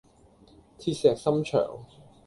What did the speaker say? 鐵石心腸